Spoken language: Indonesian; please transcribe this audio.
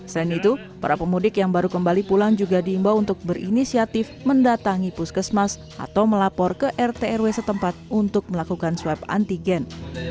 selain itu para pemudik yang baru kembali pulang juga diimbau untuk berinisiatif mendatangi puskesmas atau melapor ke rt rw setempat untuk melakukan swab antigen